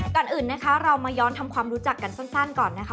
ก่อนอื่นนะคะเรามาย้อนทำความรู้จักกันสั้นก่อนนะคะ